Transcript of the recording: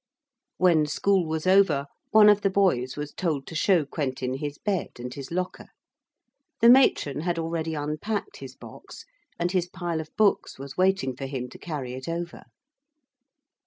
When school was over, one of the boys was told to show Quentin his bed and his locker. The matron had already unpacked his box and his pile of books was waiting for him to carry it over.